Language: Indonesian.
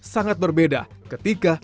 sangat berbeda ketika